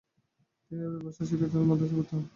তিনি আরবি ভাষা শেখার জন্য মাদ্রাসায় ভর্তি হন।